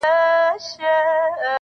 د زړه بوټى مي دی شناخته د قبرونو.